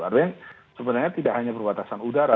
artinya sebenarnya tidak hanya perbatasan udara